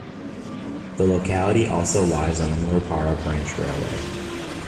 The locality also lies on the Murupara Branch railway.